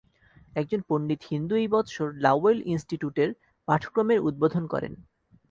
একজন পণ্ডিত হিন্দু এই বৎসর লাওয়েল ইনস্টিট্যুটের পাঠক্রমের উদ্বোধন করেন।